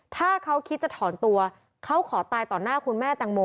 ถ้าเขาคิดจะถอนตัวเขาขอตายต่อหน้าคุณแม่แตงโม